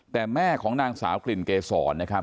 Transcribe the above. แต่แม่ของนางสาวกลิ่นเกษรนะครับ